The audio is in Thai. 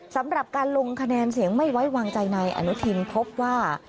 สำหรับการลงคะแนนเสียงไม่ไว้วางใจนายอนุทินพบว่า